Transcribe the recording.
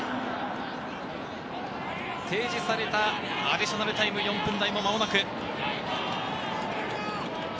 提示されたアディショナルタイム４分台も、間もなく。